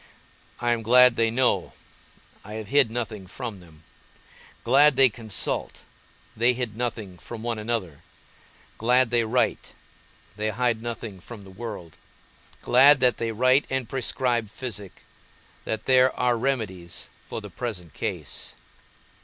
I am glad they know (I have hid nothing from them), glad they consult (they hid nothing from one another), glad they write (they hide nothing from the world), glad that they write and prescribe physic, that there are remedies for the present case.